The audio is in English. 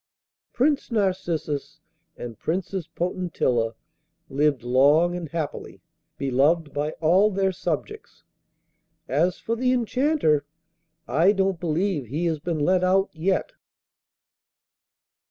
Prince Narcissus and Princess Potentilla lived long and happily, beloved by all their subjects. As for the Enchanter, I don't believe he has been let out yet.